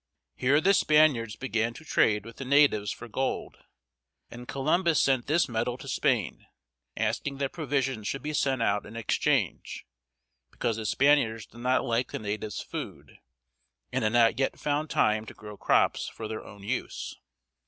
Here the Spaniards began to trade with the natives for gold, and Columbus sent this metal to Spain, asking that provisions should be sent out in exchange, because the Spaniards did not like the natives' food, and had not yet found time to grow crops for their own use.